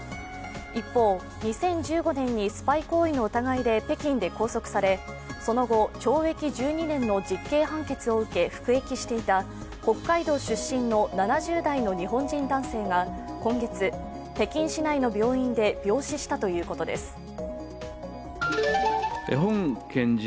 一方、２０１５年にスパイ行為の疑いで北京で拘束されその後、懲役１２年の実刑判決を受け服役していた北海道出身の７０代の日本人男性が今月、北京市内の病院で病死したということです。